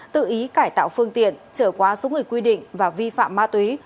tự ý cải tạo phương tiện trở quá số người quy định và vi phạm ma túy